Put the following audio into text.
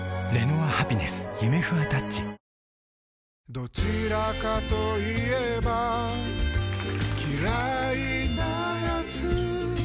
どちらかと言えば嫌いなやつ